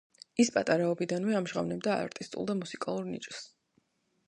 ის პატარაობიდანვე ამჟღავნებდა არტისტულ და მუსიკალურ ნიჭს.